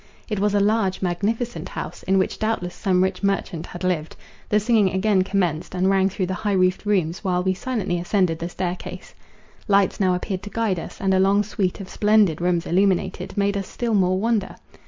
It was a large magnificent house, in which doubtless some rich merchant had lived. The singing again commenced, and rang through the high roofed rooms, while we silently ascended the stair case. Lights now appeared to guide us; and a long suite of splendid rooms illuminated, made us still more wonder.